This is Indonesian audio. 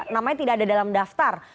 namanya tidak ada dalam daftar